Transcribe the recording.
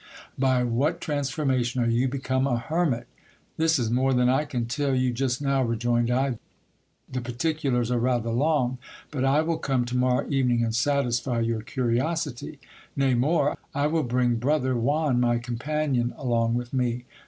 By what transformation are you become a hermit ? This is more than I can tell you just now, rejoined I. The particulars are rather long ; but I will come to morrow evening and satisfy your curiosity. Nay, more ; I will bring brother Juan, my companion, along with me.